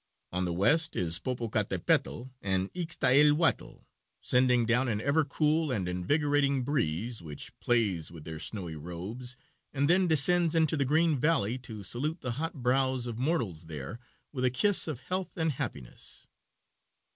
On the west is Popocatapetl and Ixtaelhuatl, sending down an ever cool and invigorating breeze, which plays with their snowy robes, and then descends into the green valley to salute the hot brows of mortals there with a kiss of health and happiness.